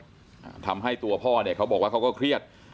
อ่าทำให้ตัวพ่อเนี่ยเขาบอกว่าเขาก็เครียด